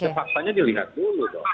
tapi paksanya dilihat dulu